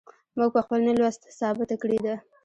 موږ په خپل نه لوست ثابته کړې ده.